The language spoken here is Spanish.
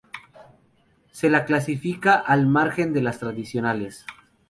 Se la clasifica al margen de las tradicionales.